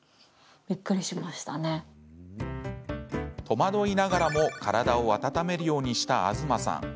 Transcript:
戸惑いながらも体を温めるようにした東さん。